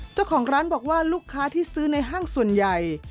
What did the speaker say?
เจ้าของร้านบอกว่าลูกค้าที่ซื้อในห้างส่วนใหญ่